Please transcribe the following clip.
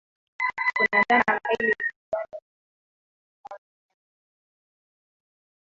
Kuna dhana mbili kinzani kuhusu jinsi Karume alivyouawa